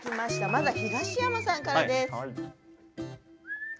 まずは東山さんからです。